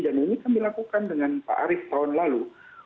dan ini kami lakukan dengan pak arief tahun lalu